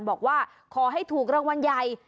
บอกว่าขอให้ถูกรางวัลใหญ่